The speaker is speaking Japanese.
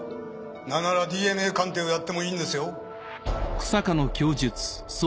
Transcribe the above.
なんならＤＮＡ鑑定をやってもいいんですよ！